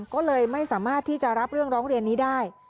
ก็เลยไม่สามารถที่จะรับเรื่องร้องเรียนนี้ได้